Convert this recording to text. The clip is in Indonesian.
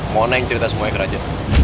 mona yang cerita semuanya ke raja